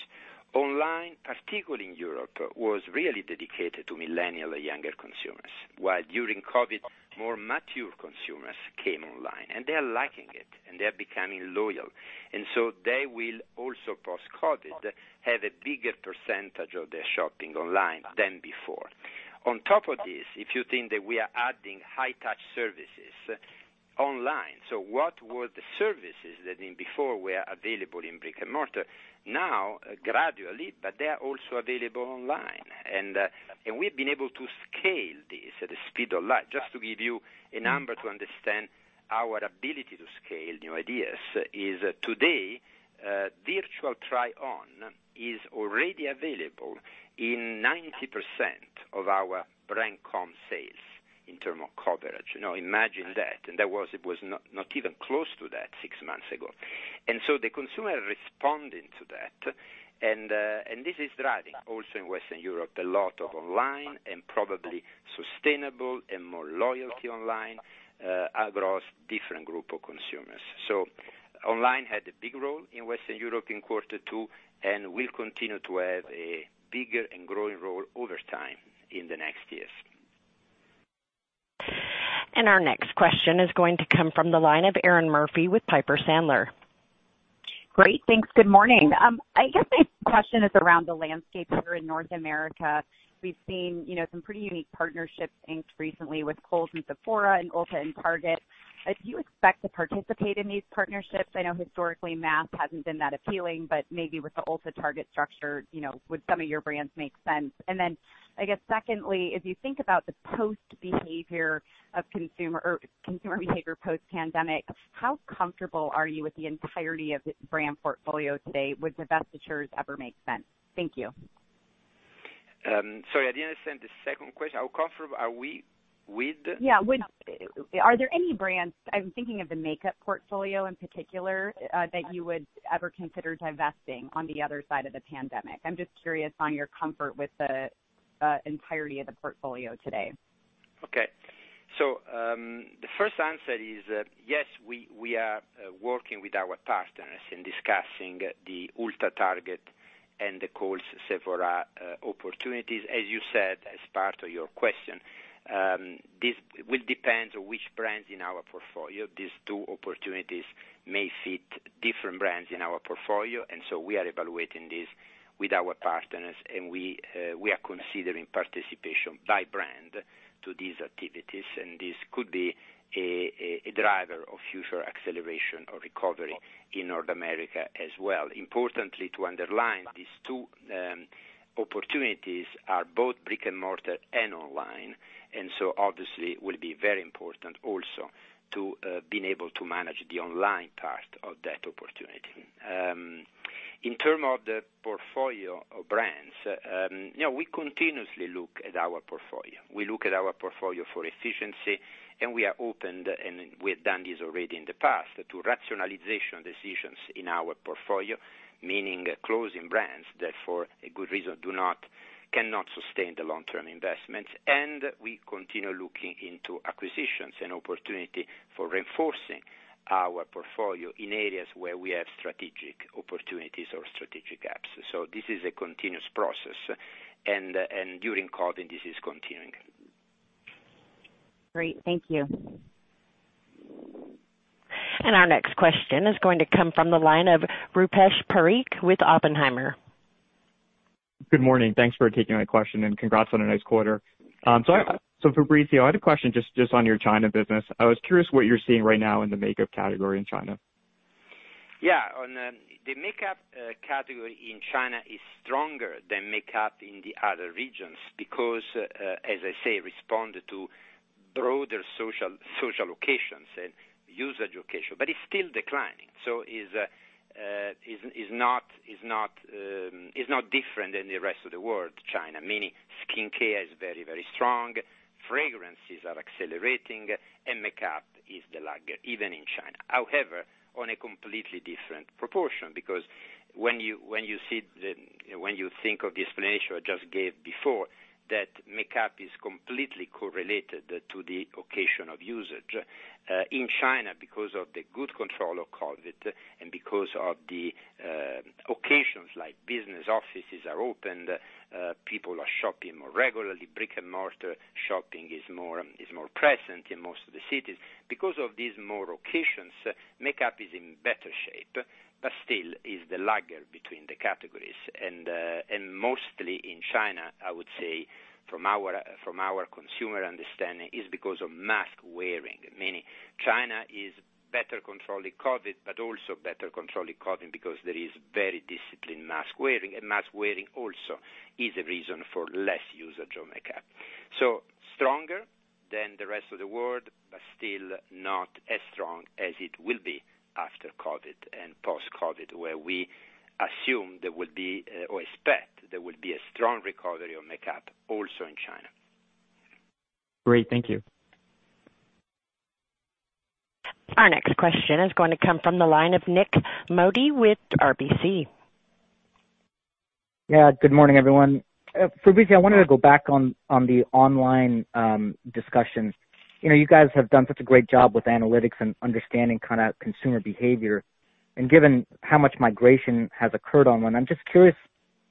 Online, particularly in Europe, was really dedicated to millennial or younger consumers, while during COVID, more mature consumers came online, and they are liking it, and they're becoming loyal. They will also, post-COVID, have a bigger percentage of their shopping online than before. On top of this, if you think that we are adding high-touch services online, so what were the services that before were available in brick-and-mortar, now, gradually, but they are also available online. We've been able to scale this at the speed of light. Just to give you a number to understand our ability to scale new ideas is today, virtual try-on is already available in 90% of our brand.com sales in term of coverage. Imagine that. That was not even close to that six months ago. The consumer responding to that, and this is driving also in Western Europe, a lot of online and probably sustainable and more loyalty online across different group of consumers. Online had a big role in Western Europe in quarter two and will continue to have a bigger and growing role over time in the next years. Our next question is going to come from the line of Erinn Murphy with Piper Sandler. Great. Thanks. Good morning. I guess my question is around the landscape here in North America. We've seen some pretty unique partnerships inked recently with Kohl's and Sephora and Ulta and Target. Do you expect to participate in these partnerships? I know historically, mass hasn't been that appealing, but maybe with the Ulta, Target structure, would some of your brands make sense? I guess secondly, if you think about the consumer behavior post-pandemic, how comfortable are you with the entirety of the brand portfolio today? Would divestitures ever make sense? Thank you. Sorry, I didn't understand the second question. How comfortable are we with? Yeah. Are there any brands, I'm thinking of the makeup portfolio in particular, that you would ever consider divesting on the other side of the pandemic? I'm just curious on your comfort with the entirety of the portfolio today. Okay. The first answer is, yes, we are working with our partners in discussing the Ulta, Target and the Kohl's, Sephora opportunities. As you said, as part of your question, this will depend on which brands in our portfolio. These two opportunities may fit different brands in our portfolio, and so we are evaluating this with our partners, and we are considering participation by brand to these activities, and this could be a driver of future acceleration or recovery in North America as well. Importantly, to underline, these two opportunities are both brick and mortar and online, and so obviously it will be very important also to being able to manage the online part of that opportunity. In terms of the portfolio of brands, we continuously look at our portfolio. We look at our portfolio for efficiency, and we are open, and we have done this already in the past, to rationalization decisions in our portfolio, meaning closing brands that for a good reason cannot sustain the long-term investments. We continue looking into acquisitions and opportunity for reinforcing our portfolio in areas where we have strategic opportunities or strategic gaps. This is a continuous process, and during COVID, this is continuing. Great. Thank you. Our next question is going to come from the line of Rupesh Parikh with Oppenheimer. Good morning. Thanks for taking my question, and congrats on a nice quarter. Fabrizio, I had a question just on your China business. I was curious what you're seeing right now in the makeup category in China. Yeah. On the makeup category in China is stronger than makeup in the other regions because, as I say, respond to broader social occasions and usage occasion, but it's still declining. It's not different than the rest of the world, China. Meaning, skincare is very, very strong, fragrances are accelerating, and makeup is the laggard, even in China. However, on a completely different proportion because when you think of the explanation I just gave before, that makeup is completely correlated to the occasion of usage. In China, because of the good control of COVID and because of the occasions like business offices are opened, people are shopping more regularly, brick and mortar shopping is more present in most of the cities. Because of these more occasions, makeup is in better shape, but still is the laggard between the categories. Mostly in China, I would say from our consumer understanding, is because of mask wearing. China is better controlling COVID, but also better controlling COVID because there is very disciplined mask wearing, and mask wearing also is a reason for less usage of makeup. Stronger than the rest of the world, but still not as strong as it will be after COVID and post-COVID, where we assume there will be, or expect there will be a strong recovery of makeup also in China. Great. Thank you. Our next question is going to come from the line of Nik Modi with RBC. Good morning, everyone. Fabrizio, I wanted to go back on the online discussion. You guys have done such a great job with analytics and understanding consumer behavior. Given how much migration has occurred online, I'm just curious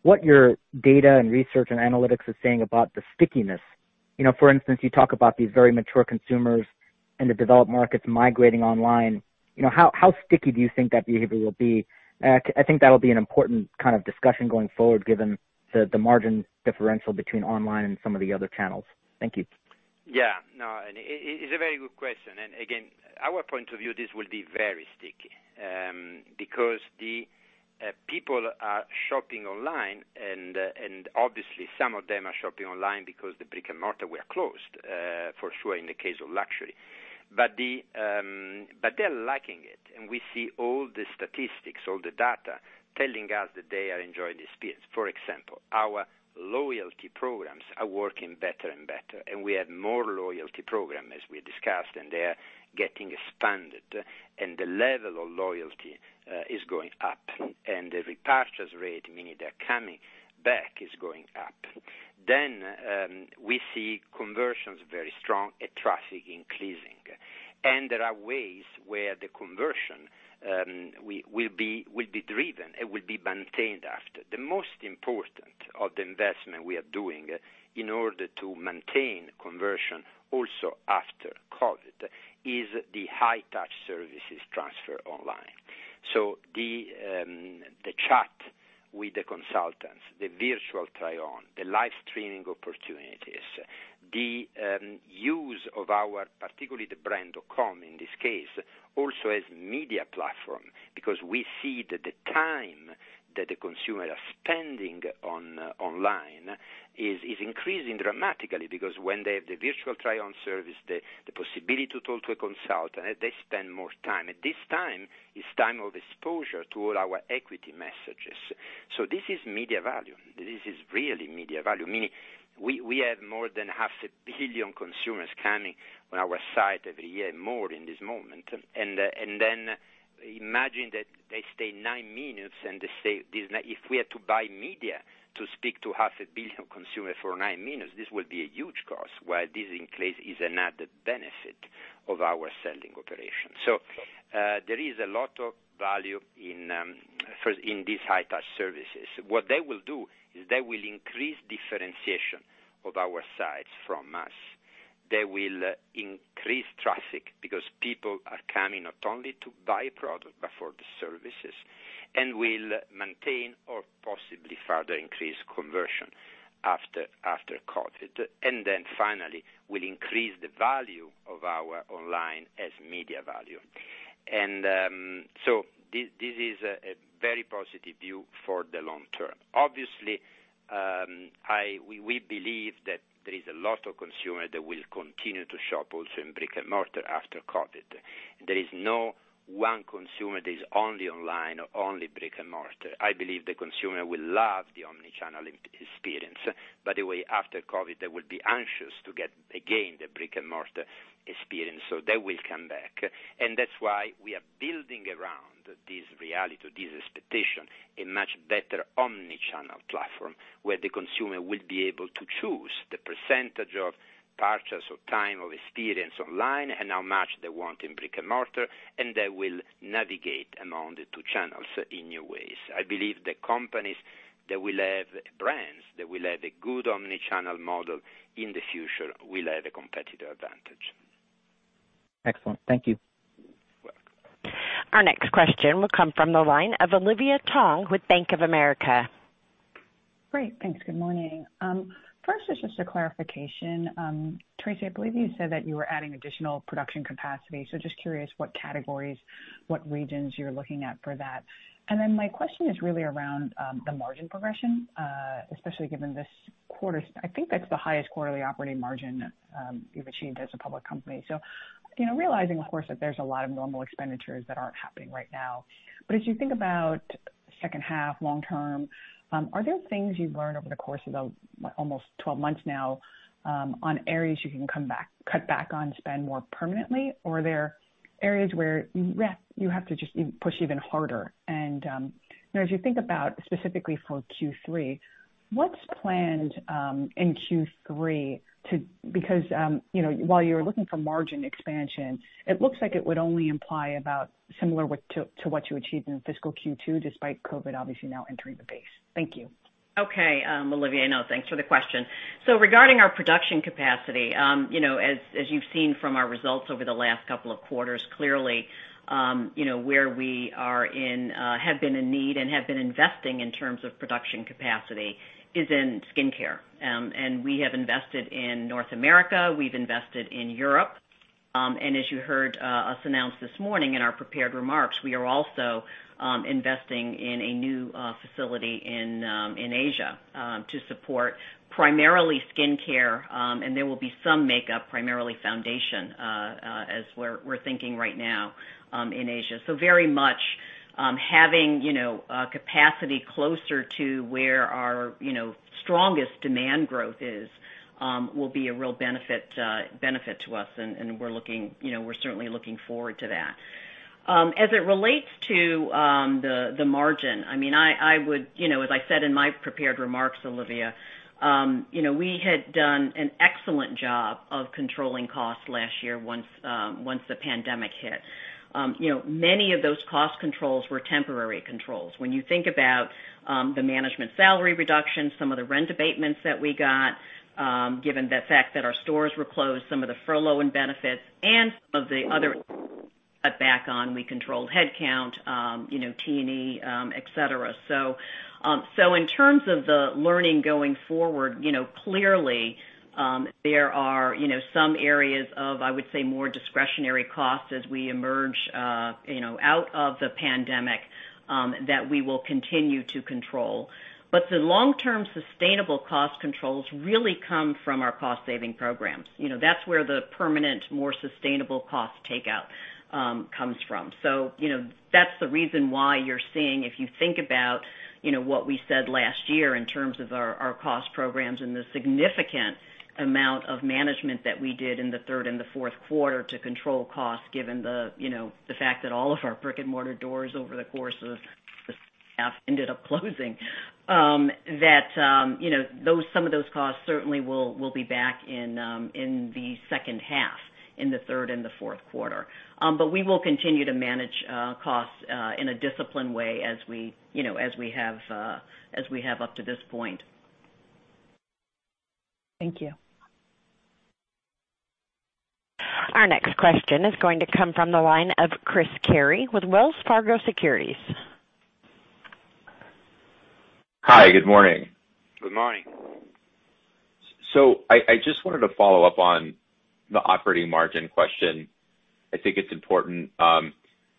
what your data and research and analytics is saying about the stickiness. For instance, you talk about these very mature consumers in the developed markets migrating online. How sticky do you think that behavior will be? I think that'll be an important kind of discussion going forward given the margin differential between online and some of the other channels. Thank you. Yeah. No, it's a very good question. Again, our point of view, this will be very sticky. The people are shopping online, and obviously some of them are shopping online because the brick and mortar were closed, for sure in the case of luxury. They're liking it, and we see all the statistics, all the data telling us that they are enjoying the experience. For example, our loyalty programs are working better and better, and we have more loyalty program, as we discussed, and they are getting expanded. The level of loyalty is going up. The repurchase rate, meaning they're coming back, is going up. We see conversions very strong and traffic increasing. There are ways where the conversion will be driven and will be maintained after. The most important of the investment we are doing in order to maintain conversion also after COVID, is the high touch services transfer online. The chat with the consultants, the virtual try-on, the live streaming opportunities, the use of our, particularly the brand.com in this case, also as media platform because we see that the time that the consumer are spending online is increasing dramatically because when they have the virtual try-on service, the possibility to talk to a consultant, they spend more time. This time, is time of exposure to all our equity messages. This is media value. This is really media value, meaning we have more than half a billion consumers coming on our site every year, more in this moment. Imagine that they stay nine minutes, if we had to buy media to speak to half a billion consumers for nine minutes, this would be a huge cost, while this increase is an added benefit of our selling operation. There is a lot of value in these high-touch services. What they will do is they will increase differentiation of our sites from us. They will increase traffic because people are coming not only to buy product, but for the services, and will maintain or possibly further increase conversion after COVID. Finally, will increase the value of our online as media value. This is a very positive view for the long term. Obviously, we believe that there is a lot of consumer that will continue to shop also in brick and mortar after COVID. There is no one consumer that is only online or only brick and mortar. I believe the consumer will love the omni-channel experience. By the way, after COVID, they will be anxious to get again the brick and mortar experience, so they will come back. That's why we are building around this reality, this expectation, a much better omni-channel platform where the consumer will be able to choose the percentage of purchase or time of experience online and how much they want in brick and mortar, and they will navigate among the two channels in new ways. I believe the companies that will have brands, that will have a good omni-channel model in the future will have a competitive advantage. Excellent. Thank you. Welcome. Our next question will come from the line of Olivia Tong with Bank of America. Great. Thanks. Good morning. First is just a clarification. Tracey, I believe you said that you were adding additional production capacity. Just curious what categories, what regions you're looking at for that. Then my question is really around the margin progression, especially given this quarter, I think that's the highest quarterly operating margin you've achieved as a public company. Realizing, of course, that there's a lot of normal expenditures that aren't happening right now. As you think about second half long term, are there things you've learned over the course of almost 12 months now, on areas you can cut back on spend more permanently? Are there areas where you have to just push even harder and, as you think about specifically for Q3, what's planned, in Q3, because while you're looking for margin expansion, it looks like it would only imply about similar to what you achieved in fiscal Q2 despite COVID obviously now entering the base. Thank you. Okay, Olivia. No, thanks for the question. Regarding our production capacity, as you've seen from our results over the last couple of quarters, clearly, where we have been in need and have been investing in terms of production capacity is in skincare. We have invested in North America, we've invested in Europe. As you heard us announce this morning in our prepared remarks, we are also investing in a new facility in Asia, to support primarily skincare. There will be some makeup, primarily foundation, as we're thinking right now, in Asia. Very much, having capacity closer to where our strongest demand growth is, will be a real benefit to us, and we're certainly looking forward to that. As it relates to the margin, as I said in my prepared remarks, Olivia, we had done an excellent job of controlling costs last year once the pandemic hit. Many of those cost controls were temporary controls. When you think about the management salary reduction, some of the rent abatements that we got, given the fact that our stores were closed, some of the furlough and benefits, and some of the other back on, we controlled headcount, T&E, et cetera. In terms of the learning going forward, clearly, there are some areas of, I would say, more discretionary costs as we emerge out of the pandemic, that we will continue to control. The long-term sustainable cost controls really come from our cost-saving programs. That's where the permanent, more sustainable cost takeout comes from. That's the reason why you're seeing, if you think about what we said last year in terms of our cost programs and the significant amount of management that we did in the third and the fourth quarter to control costs, given the fact that all of our brick and mortar doors over the course of ended up closing, that some of those costs certainly will be back in the second half, in the third and the fourth quarter. We will continue to manage costs in a disciplined way as we have up to this point. Thank you. Our next question is going to come from the line of Chris Carey with Wells Fargo Securities. Hi. Good morning. Good morning. I just wanted to follow up on the operating margin question. I think it's important,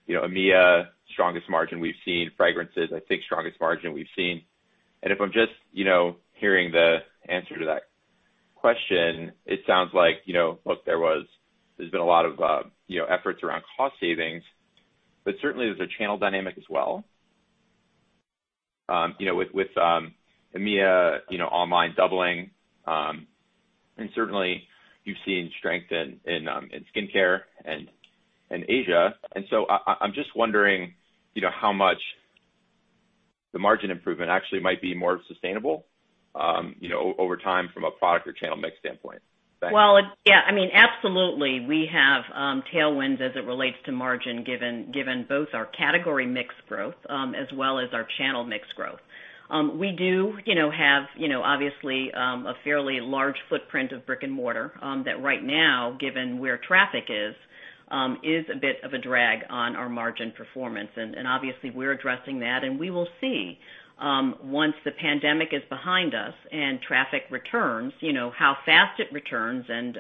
EMEA, strongest margin we've seen. Fragrances, I think strongest margin we've seen. If I'm just hearing the answer to that question, it sounds like, look, there's been a lot of efforts around cost savings, but certainly there's a channel dynamic as well. With EMEA online doubling, and certainly you've seen strength in skincare and Asia. I'm just wondering how much the margin improvement actually might be more sustainable over time from a product or channel mix standpoint. Thanks. Well, yeah. Absolutely, we have tailwinds as it relates to margin, given both our category mix growth, as well as our channel mix growth. We do have obviously, a fairly large footprint of brick and mortar, that right now, given where traffic is a bit of a drag on our margin performance. Obviously we're addressing that, and we will see, once the pandemic is behind us and traffic returns, how fast it returns, and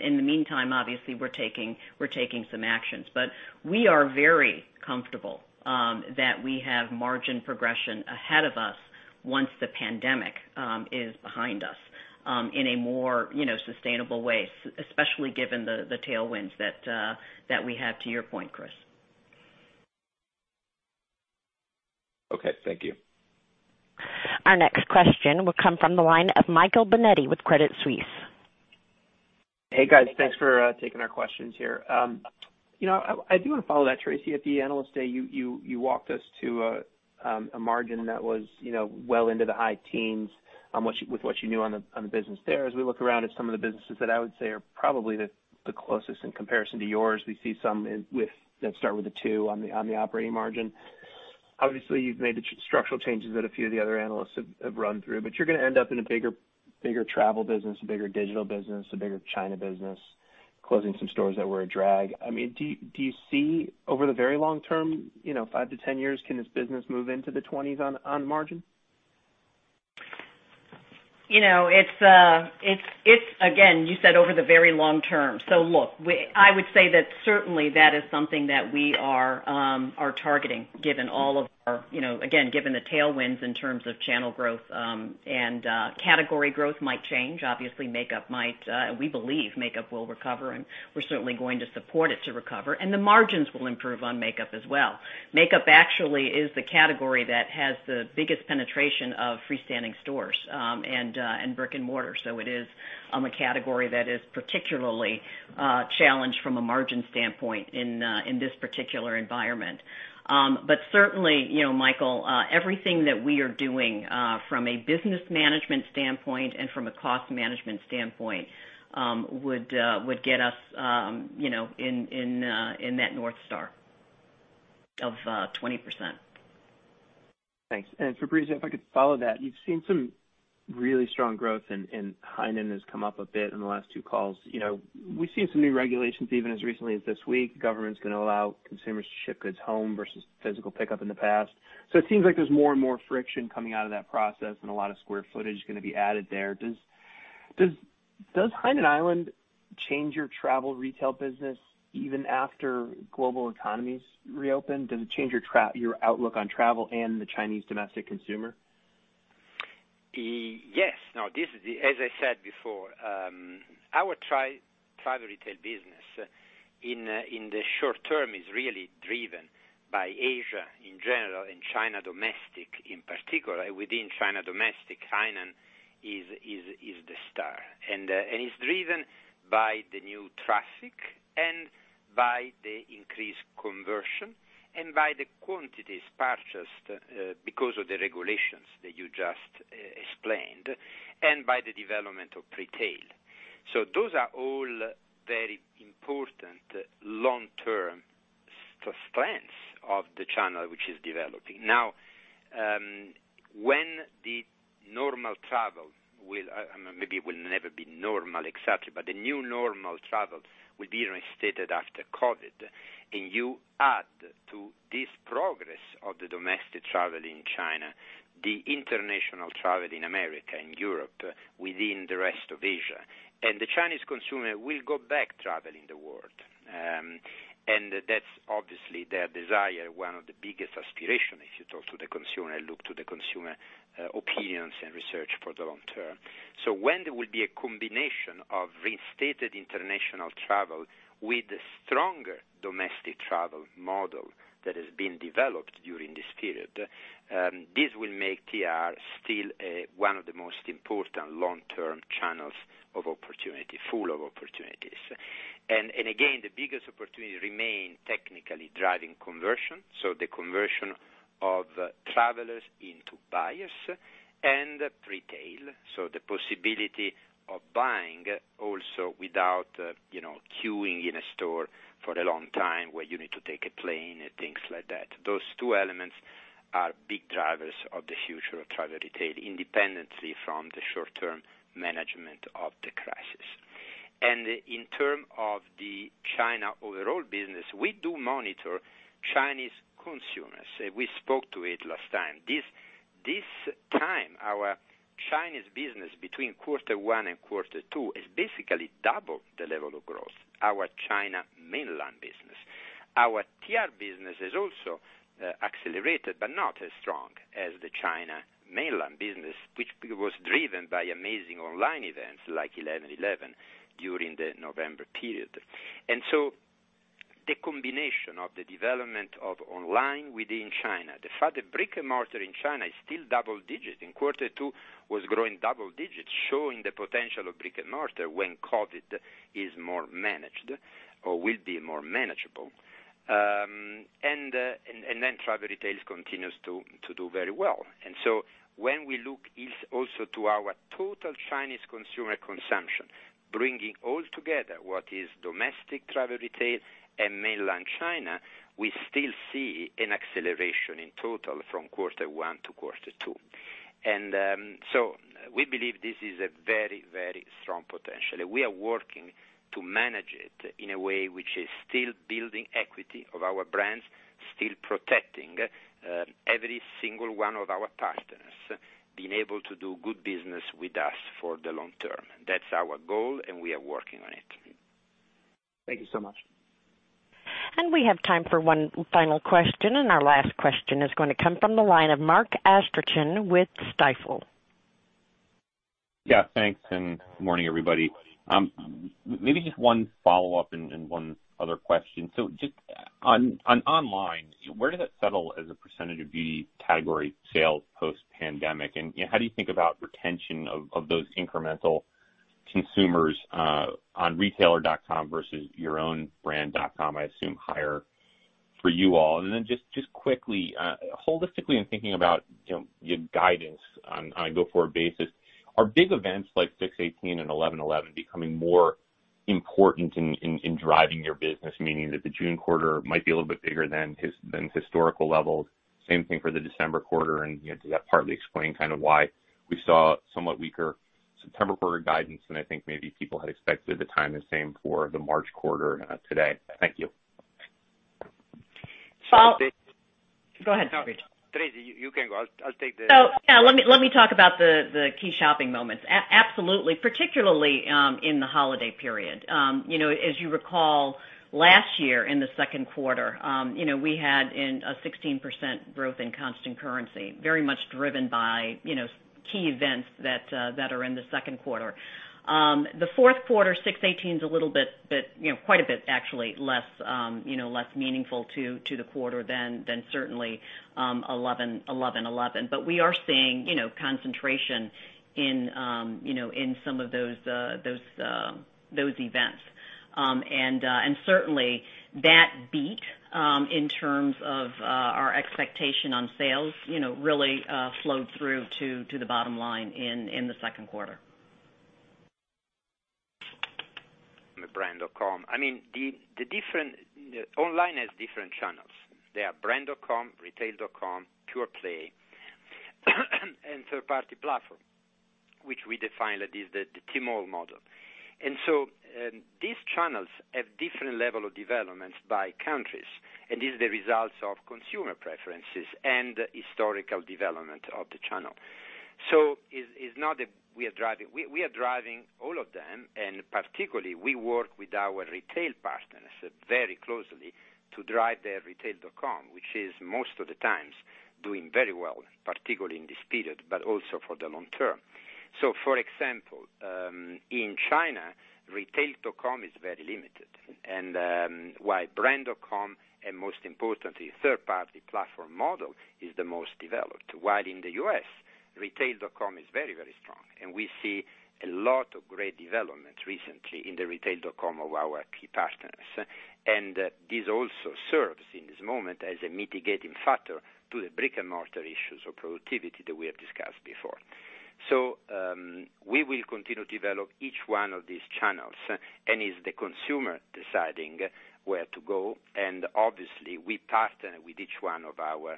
in the meantime, obviously we're taking some actions. We are very comfortable that we have margin progression ahead of us once the pandemic is behind us in a more sustainable way, especially given the tailwinds that we have, to your point, Chris. Okay, thank you. Our next question will come from the line of Michael Binetti with Credit Suisse. Hey, guys. Thanks for taking our questions here. I do want to follow that, Tracey. At the Analyst Day, you walked us to a margin that was well into the high teens, with what you knew on the business there. As we look around at some of the businesses that I would say are probably the closest in comparison to yours, we see some that start with a two on the operating margin. Obviously, you've made the structural changes that a few of the other analysts have run through, but you're going to end up in a bigger travel business, a bigger digital business, a bigger China business, closing some stores that were a drag. Do you see over the very long term, five to 10 years, can this business move into the 20s on margin? Again, you said over the very long term. Look, I would say that certainly that is something that we are targeting, again, given the tailwinds in terms of channel growth, and category growth might change. We believe makeup will recover, and we're certainly going to support it to recover. The margins will improve on makeup as well. Makeup actually is the category that has the biggest penetration of freestanding stores, and brick and mortar. It is a category that is particularly challenged from a margin standpoint in this particular environment. Certainly, Michael, everything that we are doing from a business management standpoint and from a cost management standpoint, would get us in that North Star of 20%. Thanks. Fabrizio, if I could follow that. You've seen some really strong growth and Hainan has come up a bit in the last two calls. We've seen some new regulations even as recently as this week. Government's going to allow consumers to ship goods home versus physical pickup in the past. It seems like there's more and more friction coming out of that process and a lot of square footage is going to be added there. Does Hainan Island change your travel retail business even after global economies reopen? Does it change your outlook on travel and the Chinese domestic consumer? As I said before, our travel retail business in the short term is really driven by Asia in general, and China domestic in particular. Within China domestic, Hainan is the star. It's driven by the new traffic and by the increased conversion and by the quantities purchased because of the regulations that you just explained, and by the development of pre-tail. Those are all very important long-term strengths of the channel which is developing. When the normal travel, maybe it will never be normal, exactly, but the new normal travel will be reinstated after COVID. You add to this progress of the domestic travel in China, the international travel in America and Europe, within the rest of Asia. The Chinese consumer will go back traveling the world. That's obviously their desire, one of the biggest aspiration, if you talk to the consumer, look to the consumer opinions and research for the long term. When there will be a combination of reinstated international travel with the stronger domestic travel model that has been developed during this period, this will make TR still one of the most important long-term channels of opportunity, full of opportunities. Again, the biggest opportunity remain technically driving conversion. The conversion of travelers into buyers and pre-tail. The possibility of buying also without queuing in a store for a long time, where you need to take a plane and things like that. Those two elements are big drivers of the future of travel retail, independently from the short-term management of the crisis. In term of the China overall business, we do monitor Chinese consumers. We spoke to it last time. This time, our Chinese business between quarter one and quarter two is basically double the level of growth, our China mainland business. Our TR business has also accelerated, but not as strong as the China mainland business, which was driven by amazing online events like 11.11 during the November period. The combination of the development of online within China, the fact that brick and mortar in China is still double digits, in quarter two was growing double digits, showing the potential of brick and mortar when COVID is more managed or will be more manageable. Travel retail continues to do very well. When we look also to our total Chinese consumer consumption, bringing all together what is domestic travel retail and mainland China, we still see an acceleration in total from quarter one to quarter two. We believe this is a very strong potential. We are working to manage it in a way which is still building equity of our brands, still protecting every single one of our partners being able to do good business with us for the long term. That's our goal. We are working on it. Thank you so much. We have time for one final question, and our last question is going to come from the line of Mark Astrachan with Stifel. Thanks, and morning, everybody. Maybe just one follow-up and one other question. Just on online, where does that settle as a percentage of beauty category sales post-pandemic? How do you think about retention of those incremental consumers on retailer.com versus your own brand.com, I assume higher for you all. Just quickly, holistically in thinking about your guidance on a go-forward basis, are big events like 6.18 and 11.11 becoming more important in driving your business, meaning that the June quarter might be a little bit bigger than historical levels? Same thing for the December quarter, does that partly explain why we saw somewhat weaker September quarter guidance than I think maybe people had expected at the time, the same for the March quarter today? Thank you. So- I'll take- Go ahead, Fabrizio. Tracey, you can go. Yeah, let me talk about the key shopping moments. Absolutely, particularly in the holiday period. As you recall, last year in the second quarter, we had a 16% growth in constant currency, very much driven by key events that are in the second quarter. The fourth quarter, 6.18 is quite a bit actually less meaningful to the quarter than certainly 11.11. We are seeing concentration in some of those events. Certainly that beat in terms of our expectation on sales really flowed through to the bottom line in the second quarter. The brand.com online has different channels. There are brand.com, retail.com, pure play, and third-party platform, which we define as the Tmall model. These channels have different level of developments by countries, and these are the results of consumer preferences and historical development of the channel. It's not that we are driving all of them, and particularly, we work with our retail partners very closely to drive their retail.com, which is most of the times doing very well, particularly in this period, but also for the long term. For example, in China, retail.com is very limited. While brand.com and most importantly, third-party platform model is the most developed, while in the U.S., retail.com is very, very strong, and we see a lot of great development recently in the retail.com of our key partners. This also serves in this moment as a mitigating factor to the brick-and-mortar issues of productivity that we have discussed before. We will continue to develop each one of these channels, and it's the consumer deciding where to go. Obviously, we partner with each one of our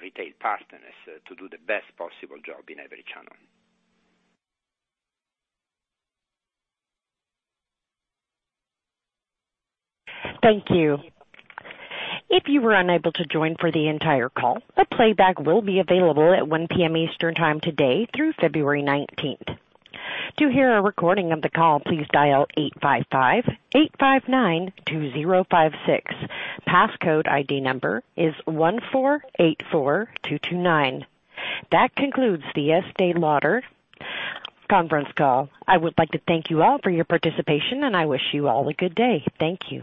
retail partners to do the best possible job in every channel. Thank you. If you were unable to join for the entire call, a playback will be available at 1:00 P.M. Eastern time today through February 19th. To hear a recording of the call, please dial 855-859-2056. Passcode ID number is 1484229. That concludes the Estée Lauder conference call. I would like to thank you all for your participation, and I wish you all a good day. Thank you.